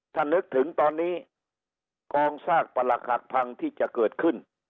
ถ้านึกถึงตอนนี้กองซากประหลักหักพังที่จะเกิดขึ้น